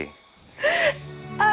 ayah yang memaksaku